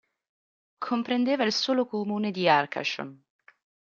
Comprendeva il solo comune di Arcachon.